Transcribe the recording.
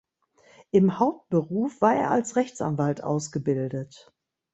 Im Hauptberuf war er als Rechtsanwalt ausgebildet.